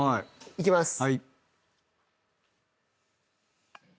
いきます。